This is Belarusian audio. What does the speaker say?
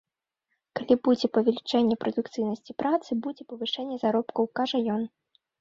Калі будзе павелічэнне прадукцыйнасці працы, будзе павышэнне заробкаў, кажа ён.